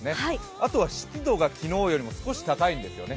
あとは湿度が昨日よりも少し高いんですよね。